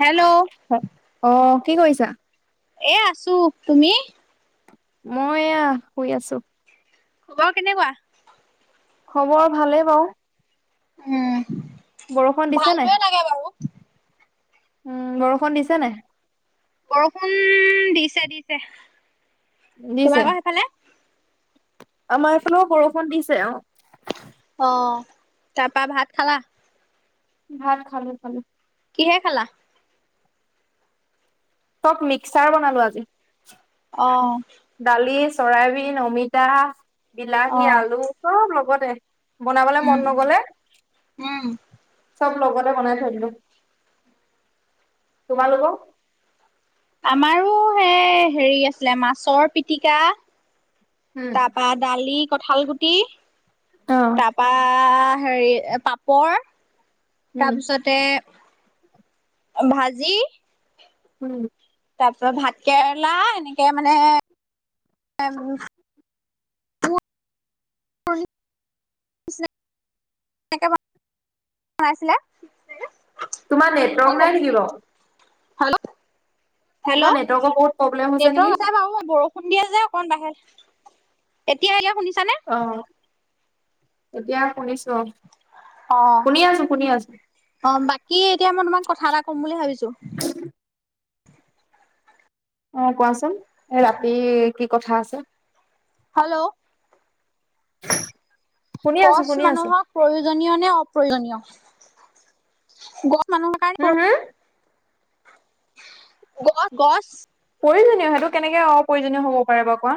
Hello হে, অ কি কৰিছা? এয়া আছো, তুমি? মই এয়া শুই আছো। খবৰ কেনেকুৱা? খবৰ ভালেই বাও। উম বৰষুণ দিছে নাই? ভালটোয়ে লাগে বাৰু। উম, বৰষুণ দিছে নাই? বৰষুণ দিছে দিছে। দিছে তোমালোকৰ সেইফালে? আমাৰ এইফালেও বৰষুণ দিছে অ। অ, তা পা ভাত খালা? ভাত খালো খালো। কিহে খালা? চব মিক্সাৰ বনালো আজি। অ। দালি, চৰাইবিন, অমিতা, অ বিলাহী, আলু চব লগতে। বনাবলে উম মন নগলে। উম। চব লগতে বনাই থৈ দিলো। তোমালোক? আমাৰো সে হেৰি আছিলে মাছৰ পিটিকা। উম তা পাত দালি, কঠাল গুটি। অ। পা হেৰি পাপৰ তা উম পিছত তে ভাজি। উম। তাৰপিছত ভাত কেৰেলা এনেকে মানে [unintelligible] এনেকে বনাইছিলে। তোমাৰ নেটৱৰ্ক নাই নিকি বাও? হেল্ল, হেল্ল' তোমাৰ নেটৱৰ্কৰ বহুত প্ৰব্লেম হৈছে নেকি নেটৱৰ্ক আছে বাৰু বৰষ- খুন্দিয়া যে অকণ বাহে, এতিয়া এয়া শুনিছানে? অ, এতিয়া শুনিছো অ। অ, শুনি আছো শুনি আছো অ বাকী এতিয়া মই তোমাক কথা এটা কম বুলি ভাবিছো। অ, কোৱাচোন এ ৰাতি কি কথা আছে? হেল্ল'। শুনি আছো গছ শুনি আছো মানুহক প্ৰয়োজনীয় নে অপ্ৰয়োজনীয়? গছ মানুহৰ কাৰণে হম প্ৰ হম গছ গছ প্ৰয়োজনীয়। সেইটো কেনেকে অপ্ৰয়োজনীয় হব পাৰে বা কোৱা?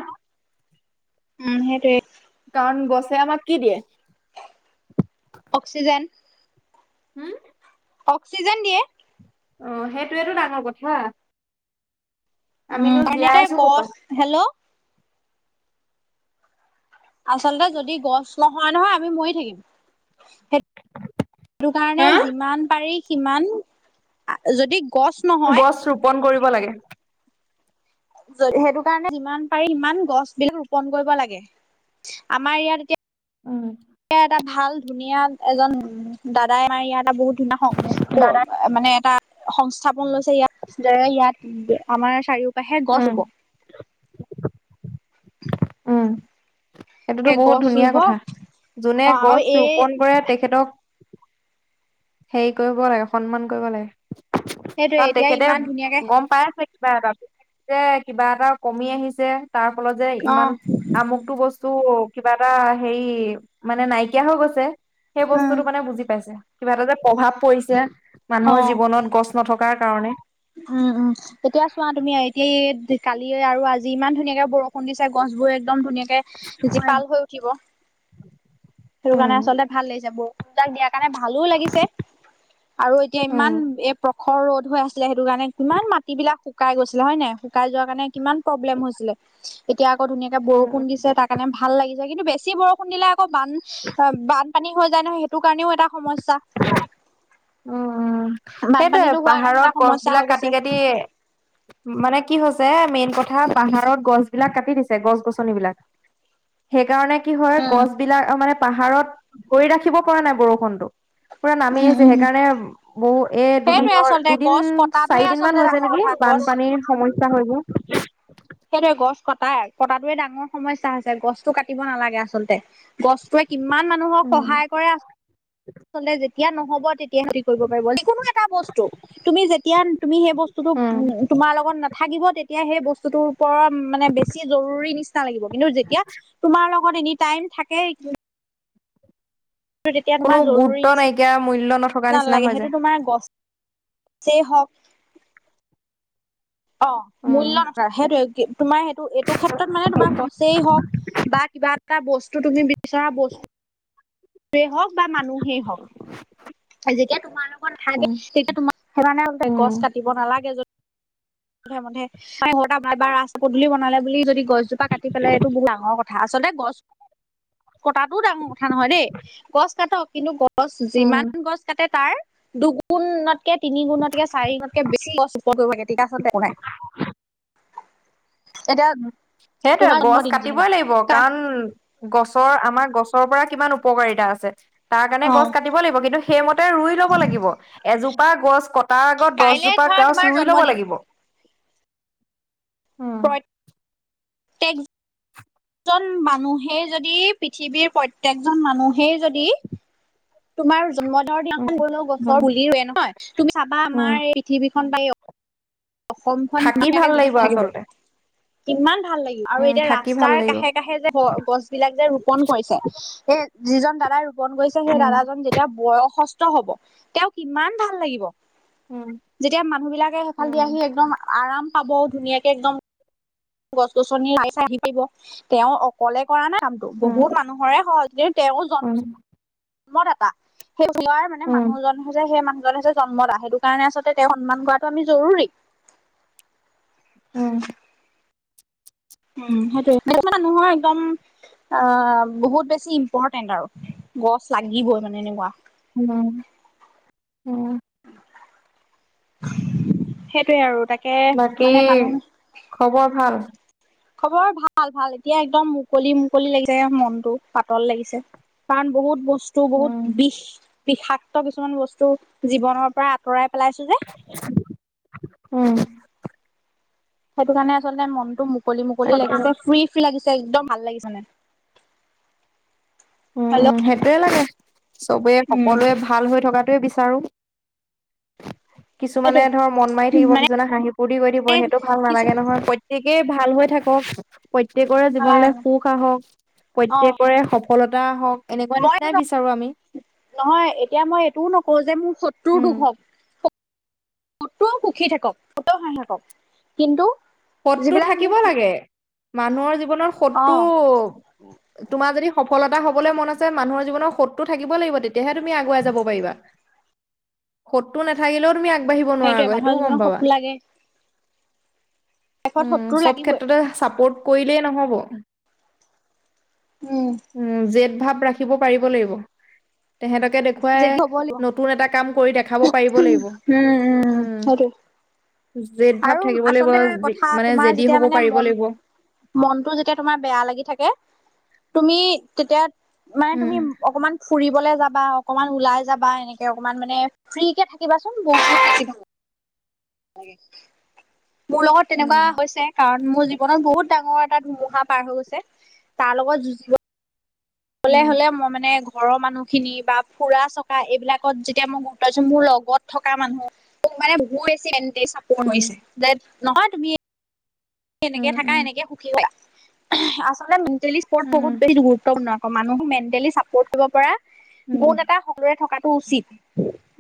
উম সেইটোৱে। কাৰণ গছে আমাক কি দিয়ে? অক্সিজেন। হম। অক্সিজেন দিয়ে। অ, সেইটোয়েতটো ডাঙৰ কথা। উম আমিনো জীয়াই হেনেকৈ আছো কপা গছ, হেল্ল'। আচলতে যদি গছ নহোৱা নহয়, আমি মৰি থাকিম। সেইটো কাৰণে হা যিমান পাৰি সিমান যদি গছ নহয় গছ ৰোপন কৰিব লাগে। সেইটো কাৰণে যিমান পাৰি সিমান গছ বিলাক ৰোপন কৰিব লাগে, আমাৰ ইয়াত এতিয়া উম। এ এটা ভাল ধুনীয়া এজন দাদাই আমাৰ ইয়াৰ এটা বহুত ধুনীয়া সং দাদা মানে এটা সংস্থাপন লৈছে ইয়াত যে ইয়াত আমাৰ চাৰিওপাশে গছ উম ৰুব। উম। এইটোতো সেই বহুত গছ ধুনীয়া ৰুব কথা, যোনে অ আৰু গছ এই ৰোপন কৰে তেখেতক হেৰি কৰিব লাগে সন্মান কৰিব লাগে। সেইটোয়ে কাৰণ এতিয়া তেখেতে ইমান ধুনীয়াকে গম পাই আছে। কিবা এটা যে কিবা এটা কমি আহিছে তাৰ ফলত যে অ ইমান আমুকটো বস্তু চো কিবা এটা হেৰি মানে নাইকিয়া হৈ গৈছে। সেই উম বস্তুতটো মানে বুজি পাইছে কিবা এটা যে প্ৰভাৱ পৰিছে। অ মানুহৰ জীৱনত গছ নথকাৰ কাৰণে উম, উম। তেতিয়া চোৱা তুমি এতিয়া কালি আৰু আজি ইমান ধুনীয়াকে বৰষুণ দিছা গছবোৰ একদম ধুনীয়াক জীপাল হৈ উঠিব। সেইটো কাৰণে উম আচলতে ভাল লাগিছে ব- তাক দিয়াৰ কাৰণে ভালো লাগিছে, আৰু এতিয়া উম ইমান এ প্ৰখৰ ৰ'দ হৈ আছে। এতিয়া সেইটো কাৰণে কিমান মাটি বিলাক শুকাই গৈছিলে হয় নাই, শুকাই যোৱা কাৰণে কিমান প্ৰব্লেম হৈছিলে। এতিয়া আকৌ ধুনীয়াকে উম বৰষুণ দিছে তাৰ কাৰণে ভাল লাগিছে কিন্তু বেছি বৰষুণ দিলে আকৌ বান বানপানী হৈ যায় নহয় সেইটো কাৰণেও এটা সমস্যা। উম উম। সেইটোৱে বানপানীতো হোৱাৰ কাৰণে এটা পাহাৰত গছ সমস্যা হৈ বিলাক গৈছে কাটি কাটি মানে কি হৈছে মেইন কথা পাহাৰত গছ বিলাক কাটি দিছে, গছ গছনিবিলাক- সেইকাৰণে কি হয় গছ বিলাক মানে পাহাৰত ধৰি ৰাখিব পৰা নাই বৰষুণটো। পুৰা নামি উম আহিছে উম সেইকাৰণে বহু এ সেইটোৱে দুদিনৰ আচলতে দুদিন গছ কটাটোৱে চাৰিদিন আচলতে মান হৈছে ডাঙৰ কথা নেকি গছ বানপানীৰ স [unintelligible] সেইবোৰ। সেইটোৱে গছ কটা কটাতোয়ে ডাঙৰ সমস্যা হৈছে। গছটো কাটিব নালাগে আচলতে গছটোৱে কিমান মানুহক উম সহায় কৰে আচলতে যেতিয়া নহব তেতিয়া সেতি কৰিব পাৰিব যিকোনো এটা বস্তু তুমি যেতিয়া তুমি সেই বস্তুটো উম তোমাৰ লগত না থাকিব তেতিয়া সেই বস্তুটোৰ ওপৰত মানে বেছি জৰুৰী নিচিনা লাগিব, কিন্তু যেতিয়া তোমাৰ লগত এনিটাইম থাকেই। কোনো তোমাৰ জৰুৰী গুৰুত্ব নিচিনা নাইকিয়া মূল্য নথকা নিচিনা নালাগে হৈ সেইটো যায় তোমাৰ গছতে হওঁক অ, উম মূল্য নাযায় সেইটোৱে কি? তোমাৰ সেইটো এইটো ক্ষেত্ৰত মানে তোমাৰ গছেই হওঁক বা কিবা এটা বস্তু তুমি বিচৰা বস্তু হওঁক বা মানুহেই হওঁক যেতিয়া তোমাৰ লগত থাকে উম তেতিয়া তোমাৰ সেইটো কাৰণে উম গছ কাটিব নালাগে যদি জধে-মধে বা ৰাস্তা পদূলি বনালে বুলি যদি গছজোপা কাটি পেলাই এইটো বহুত ডাঙৰ কথা। আচলতে গছ কটাটো ডাঙৰ কথা নহয় দেই, গছ কাটক কিন্তু গছ গছ উম যিমান গছ কাটে তাৰ দুগুণতকে, তিনি গুণতকে, চাৰি গুণতকে বেছি গছ ৰোপণ কৰিব লাগে তেতিয়া আচলতে একো নাই এতিয়া সেইটোয়ে তোমাৰ গছ জন্মদিন যেনিবা কাটিবই লাগিব কাই কাৰণ গছৰ আমাৰ গছৰ পৰা কিমান উপকাৰিতা আছে তাৰ কাৰণে অ গছ কাটি কাটিব লাগিব কিন্তু সেইমতে ৰুই ল'ব লাগিব এজোপা গছ ক তাৰ আগত কাইলে দহজোপা ধৰা গছ তোমাৰ ৰুই ল'ব জন্মদিন লাগিব। উম প্ৰত্যেক প্ৰত্যেক জন মানুহেই যদি পৃথিৱীৰ প্ৰত্যকজন মানুহেই যদি তোমাৰ জন্মদিনৰ উম দিনাখন গ'লেও উম গছৰ পুলি ৰুৱে নহয় তুমি চাবা উম আমাৰ এই পৃথিৱীখন বা অসমখন থাকি মানে ভাল লাগিব [unintelligible] থাকিব। আচলতে কিমান ভাল লাগিব আৰু উম এতিয়া থাকি ভাল ৰাস্তাৰ লাগিব কাষে- কাষে যে গছ বিলাক যে ৰোপন কৰিছে যিজন দাদাই ৰোপন কৰিছে সেই উম দাদাজন যেতিয়া বয়সস্থ হ'ব তেওঁ কিমান ভাল লাগিব উম যেতিয়া মানুহ বিলাকে উম সেইফালে দি আহি একদম আৰাম পাব ধুনীয়াকে একদম। গছ-গছনি লাই - চাই আহিব তেওঁ মোলে কৰা নাই কামটো উম বহুত মানুহৰে সহজ কিন্তু তেওঁৰ উম জন্মদাতা। সেই হোৱাৰ মানে উম মানুহজন হৈছে সেই মানুহজনে হৈছে জন্মদা, সেইটো কাৰণে আচলতে তেওঁ সন্মান কৰাটো আমি জৰুৰী। উম। উম, সেইটোয়ে [unintelligible] একদম। অ, বহুত বেছি ইম্পৰ্টেণ্ট আৰু গছ লাগিবই মানে এনেকুৱা উম, উম। সেইটোয়ে আৰু তা বাকি খবৰ ভাল? খবৰ ভাল, ভাল এতিয়া একদম মুকলি, মুকলি লাগিছে মনটো পাতল লাগিছে। পাম বহুত বস্তু বস্তু বহুত উম বিষ বিষাক্ত কিছুমান বস্তু জীৱনৰ পৰা আঁতৰাই পেলাইছো যে উম। সেইটো কাৰণে আচলতে মনটো মুকলি মুকলি তাকে লাগিছে ফ্ৰী, ফ্ৰী লাগিছে একদম ভাল লাগিছে মানে উম, হেল্ল' উম সেইটোয়ে লাগে চবে উম সকলোৱে ভাল হৈ থকাটোৱে বিচাৰো। কিছুমানে সেইটোৱে ধৰ মন মাৰি থাকিব। মানে কিছুমানে হাঁহি, ফুৰ্তি কৰি থাকিব সেইটো ভাল নালাগে কিছুমান নহয় প্ৰতে প্ৰত্যেকেই ভাল হৈ থাকক, প্ৰত্যেকৰে জীৱনলৈ সুখ আহক, অ প্ৰত্যেকৰে সফলতা হওঁক এনেকুৱা মই নিচিনাই বিচাৰো আমি। নহয় এতিয়া মই এইটোও নকও যে মোৰ শত্ৰুৰ উম দুখ হওঁক শত শত্ৰুও সুখী থাকক, সিহঁতেও হাঁহি থাকক কিন্তু শত্ৰু যিবিলাক থাকিব মোৰ লাগে। মানুহৰ জীৱনত অ শত্ৰু তোমাৰ যদি সফলতা হ'বলে মন আছে মানুহৰ জীৱনত শত্ৰু থাকিব লাগিব। তেতিয়াহে তুমি আগুৱাই যাব পাৰিবা। শত্ৰু নাথাকিলেও তুমি আগবাঢ়িব নোৱাৰা সেইটোৱে আকৌ মানুহৰ সেইটোও জীৱনত গম পাবা। শত্ৰু লাগে শেষত উম, শত্ৰু চব লাগিবই ক্ষেত্ৰতে চাপৰ্ট কৰিলেই নহ'ব। উম। উম, জেদ ভাৱ ৰাখিব পাৰিব লাগিব তেহঁতকে দেখুৱাই যদি হ'ব লাগিব দেখুৱাই নতুন এটা কাম কৰি দেখাব পাৰিব লাগিব উম। জেদ ভাৱ আৰু থাকিব লাগিব আচলতে জি কথা মানে তোমাৰ জেদি যেতিয়া হ'ব মানে পাৰিব মন লাগিব। মনটো যেতিয়া তোমাৰ বেয়া লাগি থাকে, তুমি তেতিয়া মানে তুমি উম অকমান ফুৰিবলে যাবা, অকমান ওলাই যাবা এনেকে অকমান মানে ফ্ৰীকে থাকিবাচোন বহুত বেছি ভাল মোৰ লগত তেনেকুৱা উম হৈছে কাৰণ মোৰ যি জীৱনত বহুত ডাঙৰ এটা ধুমুহা পাৰ হৈ গৈছে। তাৰ লগত যুঁজি উম বলে হ'লে মই মানে ঘৰৰ মানুহ খিনি বা ফুৰা-চকা এইবিলাকত যেতিয়া মই গুৰুত্ব [unintelligible] মোৰ লগত থকা মানুহ মোক মানে বহু বেছি [unintelligible] চাপৰ্ট উম কৰিছে যে নহয় তুমি এনেকে উম থাকা, উম এনেকে সুখী হোৱা। আচলতে মেণ্টেলি চাপৰ্ট বহুত উম বেছি গুৰুত্বপূৰ্ণ। মানুহক মেণ্টেলি চাপৰ্ট কৰিব পৰা উম গুণ এটা সকলৰে থকাটো উচিত।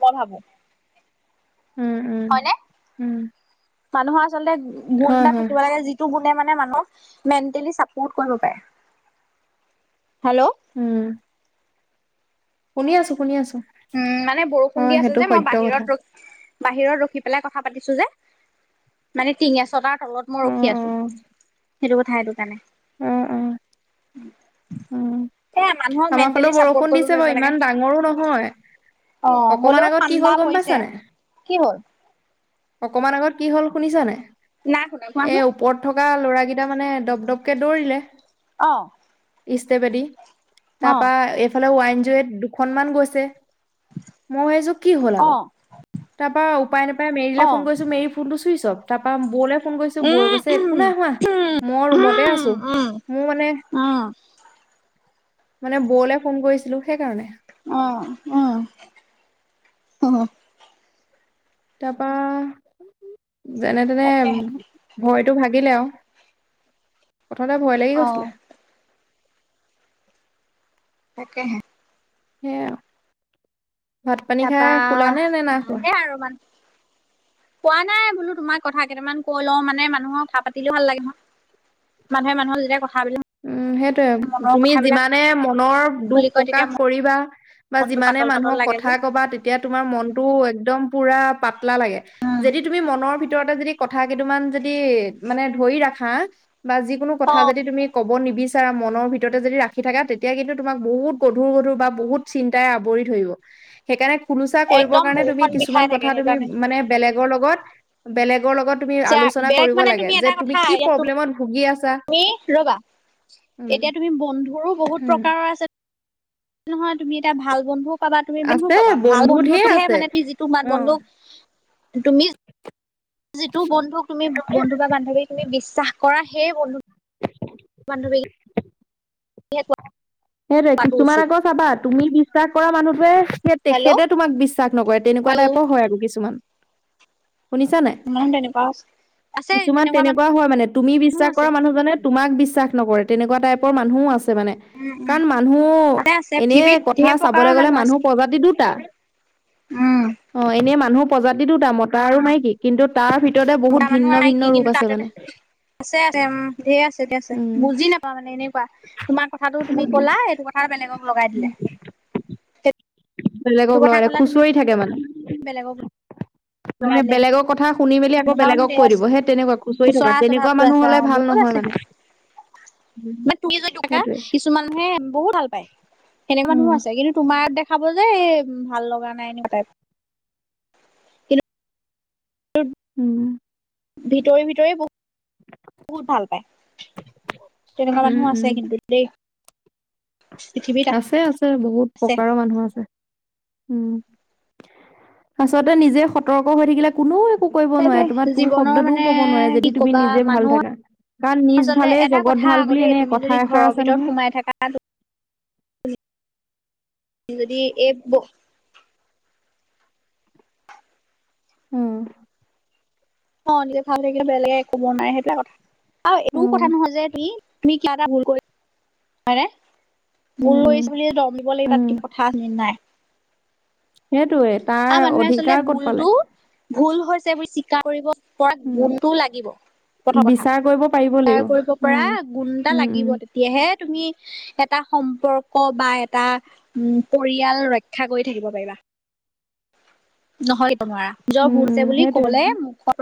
মই ভাবো। উম, উম। হয়নে উম। মানুহৰ আচলতে গুণ হয় এটা হয় থাকিব লাগে যি টো গুণে মানে মানুহক মেনটেলী চাপৰ্ট কৰিব পাৰে। হেল্ল উম। শুনি আছো, শুনি আছো। উম, মানে বৰষুণ হয় দি আছে সেইটো যে মই সত্য কথা বাহিৰত ৰখ বাহিৰত ৰখি পেলাই কথা পাতিছো যে। মানে টিঙা এচটাৰ তলত মই অ ৰখি অ আছো। সেইটো কথা সেইটো কাৰণে। উম, উম। [inaudible] উম, সেয়া মানুহক আমাৰ মেণ্টেলি ফালেও চাপৰ্ট বৰষুণ কৰিব দিছে পাৰিব বাৰু লাগে ইমান ডাঙৰো নহয়। অ হ'লেও অকমান আগত কি ঠাণ্ডা হ'ল গম পৰিছে পাইছানে? কি হ'ল অকমান আগত কি হ'ল শুনিছা নাই? নাই শুনা, কোৱাচোন। ওপৰত থকা ল'ৰাকেইটা মানে দপ দপকে দৌৰিলে অ। ইষ্টেপেদী। অ তাপা এইফালে ৱাইন জীঅ এইট দুখনমান গৈছে। মই ভাবিছো কি হ'ল অ আকৌ। তা পা উপায় নাপায় মেৰিলে অ ফোন কৰিছো, মেৰি ফোনটো চুইছ অফ। তা পা বৌলে ফোন কৰিছো বৌয়ে উম কৈছে একো উম নাই হোৱা, মই ৰুমতে উম আছো। উম মোৰ মানে উম মানে বৌলে ফোন কৰিছিলো সেইকাৰণে। অ, অ, অহ। তা পা যেনে তেনে তাকেহে ভয়টো ভাগিলে আও। প্ৰথমতে ভয় লাগি অ গৈছিলে। তাকেহে। সেয়া আও। ভাত-পানী খাই তাৰপা শুলা নে, নে নাই শুৱা? সেয়া আৰু মান কোৱা নাই বোলো তোমাক কথা কেইটামান কৈ লও, মানে মানুহক কথা পাতিলেও ভাল লাগে নহয়। মানুহে মানুহৰ যেতিয়া কথাবিলাক উম, সেইটোৱে। মনৰ তুমি কথাবিলাক যিমানে মনৰ দুখ খুলি কয় প্ৰকাশ তেতিয়া কৰিবা বা মনটো যিমানে পাতল পাতল মানুহক লাগে যে কথা কবা তেতিয়া তোমাৰ মনটো একদম পোৰা পাতলা লাগে। যদি তুমি মনৰ ভিতৰত ভিতৰতে যদি কথা কদুমান যদি মানে ধৰি ৰাখা বা যিকোনো অ কথা যদি তুমি ক'ব নিবিচাৰা মনৰ ভিতৰতে যদি ৰাখি থাকা তেতিয়া কিন্তু তোমাক বহুত গধুৰ - গধুৰ বা বহুত চিন্তাই আৱৰি ধৰিব। সেইকাৰণে খোলোচা কৰিবৰ একদম কাৰণে তুমি বুকুখন কিছুমান বিষাই কথা থাকে তুমি সেইকাৰণে মানে বেলেগৰ লগত-বেলেগৰ লগত তুমি চা আলোচনা বেলেগ কৰিব মানে লাগে যে এটা তুমি কথা কি ইয়াত প্ৰব্লেমত ভুগি আছা। তুমি ৰ'বা। উম, এতিয়া তুমি বন্ধুৰো বহুত উম। প্ৰকাৰৰ আছে। নহয় তুমি এটা ভাল বন্ধুক পাবা তুমি ম আছে পাবা ভাল বন্ধু ঢেৰ বন্ধটোহে আছে। মানে ত যিটো মান অ'। বন্ধু তুমি যিটো বন্ধুক তুমি বন্ধু বা বান্ধৱীক তুমি বিশ্বাস কৰা। সেই বন্ধু-বান্ধৱী [inaudible] সেইটোৱে পোৱাটো কিছুমান উচিত আকৌ চাবা তুমি বিশ্বাস কৰা মানুহটোৱে হেল্ল' তেখেতে তোমাক বিশ্বাস নকৰে তেনেকুৱা হেল্ল' টাইপৰ হয় আৰু কিছুমান, শুনিছা নাই? ইমান তেনেকুৱা কিছুমান তেনেকুৱা হয় মানে তুমি মানুহ বিশ্বাস আছে কৰা মানুহজনে তোমাক বিশ্বাস নকৰে তেনেকুৱা টাইপৰ মানুহও আছে মানে। উম উম কাৰণ মানুহ আছে আছে এনে পৃথিৱীত ঢেৰ কথা প্ৰকাৰৰ চাবলৈ গলে আছে মানুহ প্ৰজাতি দুটা, উম। অ, এনেই মানুহ প্ৰজাতি দুটা মতা আৰু মাইকী। কিন্তু তাৰ ভিতৰতে বহুত ভিন্ন - ভিন্ন ৰূপ আছে মানে। আছে-আছে উম, ধেৰ আছে-ধেৰ আছে উম, বুজি নাপাও মানে এনেকুৱা। তোমাৰ কথাটো তুমি কলা এইটো কথা বেলেগক লগাই দিলে। সেইটো বেলেগক কথা লগাই ক'লা তুমি খুচৰি থাকে মানে বেলেগক ম লগাই দিলে বেলেগক কথা শুনি মেলি আকৌ তেনেকুৱা মানে বেলেগক ঢেৰ কৈ দিব। আছে সে তেনেকুৱা খুচৰি খুচৰা থাকা। তেনেকুৱা মানুহ হ'লে ভাল নহয় মানে। উম [unintelligible] সেইটোৱে কিছু মানুহে বহুত ভাল পায়। সেনেকুৱা মানুহ উম আছে কিন্তু তোমাৰ দেখ কথাবোৰ যে এ ভাল লগা নাই এনেকুৱা টাইপ। কিন্তু উম। ভিতৰি-ভিতৰি বহু, বহুত ভাল পায়। তেনেকুৱা উম মানুহ উম আছে কিন্তু। দেই [unintelligible] পৃথিৱীত আছে, আছে। বহুত আছে প্ৰকাৰৰ মানুহ আছে। উম। আচলতে নিজে সতৰ্ক হৈ থাকিলে কোনেও একো কৰিব সেইটোৱে নোৱাৰে তোমাৰ তোৰ জীৱনৰ শব্দটোও মানে কব নোৱাৰে কি যদি তুমি কবা নিজে ভাল মানুহ থাকা। বা নিজ আচলতে ভালে এটা জগত কথা ভাল আকৌ বুলি দেই এনে তুমি যদি কথা ঘৰৰ এষাৰ আছে ভিতৰত নহয়। সোমাই থাকা যদি এই ব উম। অ, নিজে ভাল থাকিলে বেলেগে কব নোৱাৰে সেইবিলাক কথা আৰু এইটোও কথা উম নহয় যে তুমি তুম কিয় এটা ভুল কৰি হয়নে উম ভুল উম কৰিচিলি বুলি দম দিব লাগিব তাত উম কি কথা আছে নেকি নাই। সেইটোৱে আৰু তাৰ মানুহে আচলতে অধিকাৰ ক'ত ভুলটো পালে। ভুল হৈছে বুলি স্বীকাৰ কৰিব পৰা উম গুণটোও লাগিব। প্ৰথম কথা বিচাৰ কৰিব পাৰিব স্বীকাৰ লাগিব কৰিব পৰা উম গুন এটা উম লাগিব উম তেতিয়াহে তুমি এটা সম্পৰ্ক বা এটা উম, পৰিয়াল ৰক্ষা কৰি থাকিব পাৰিবা নহলে নোৱাৰা। জ্বৰ উম উম বুৰছে বুলি সেইটোৱে কবলৈ মুখৰ পৰা